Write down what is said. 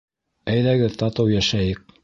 Әйҙәгеҙ татыу йәшәйек!